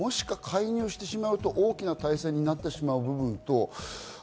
もし介入してしまうと、大きな大戦になってしまう部分と。